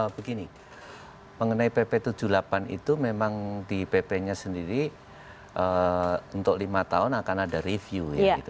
begini mengenai pp tujuh puluh delapan itu memang di pp nya sendiri untuk lima tahun akan ada review ya gitu